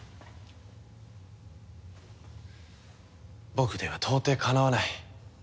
僕では到底かなわない。